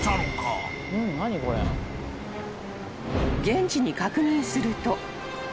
［現地に確認すると］